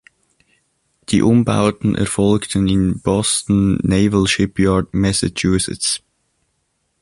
Die Umbauten erfolgten im Boston Naval Shipyard, Massachusetts.